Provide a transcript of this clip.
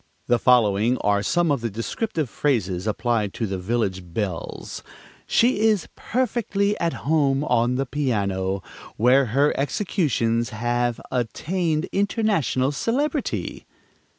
The following are some of the descriptive phrases applied to village belles: "She is perfectly at home on the piano, where her executions have attained international celebrity."